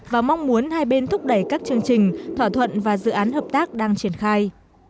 và mong muốn hai bên thúc đẩy các chương trình thỏa thuận và dự án hợp tác đang triển khai